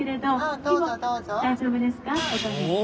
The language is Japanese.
今大丈夫ですか？